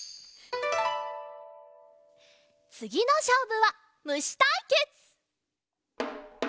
つぎのしょうぶはむしたいけつ！